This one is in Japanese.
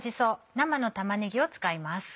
生の玉ねぎを使います。